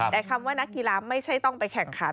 แต่คำว่านักกีฬาไม่ใช่ต้องไปแข่งขัน